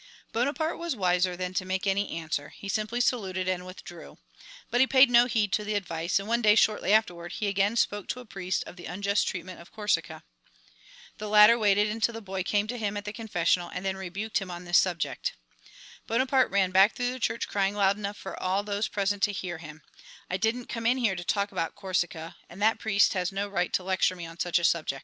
Bonaparte was wiser than to make any answer, he simply saluted and withdrew. But he paid no heed to the advice, and one day shortly afterward he again spoke to a priest of the unjust treatment of Corsica. The latter waited until the boy came to him at the confessional and then rebuked him on this subject. Bonaparte ran back through the church crying loud enough for all those present to hear him, "I didn't come in here to talk about Corsica, and that priest has no right to lecture me on such a subject!"